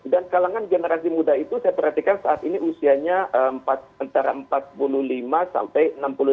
dan kalangan generasi muda itu saya perhatikan saat ini usianya antara empat puluh lima sampai enam puluh lima